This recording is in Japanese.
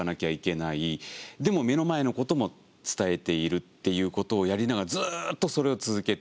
でも目の前のことも伝えているっていうことをやりながらずっとそれを続けて。